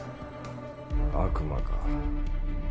悪魔か。